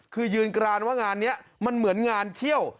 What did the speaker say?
คือยืนกรานว่างานนี้มันเหมือนงานเที่ยว